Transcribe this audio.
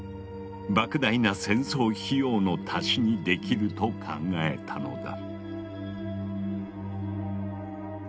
莫大な戦争費用の足しにできると考えたのだ。